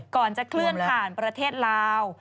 ก่อนจะเคลื่อนผ่านประเทศลาว